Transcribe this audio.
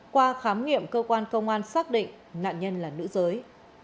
qua khám nghiệm cơ quan công an xác định nạn nhân là nữ giới